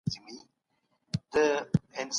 رسول الله د هغوی سره د يوې ورځي ژمنه وکړه.